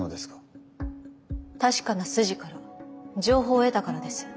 確かな筋から情報を得たからです。